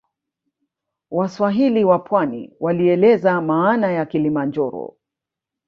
Waswahili wa pwani walieleza maana ya kilimanjoro